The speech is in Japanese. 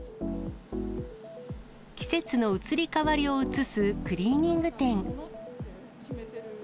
季節の移り変わりを映すクリーニング店。